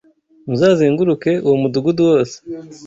muzazenguruke uwo mudugudu wose